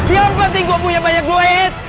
yang penting gue punya banyak duit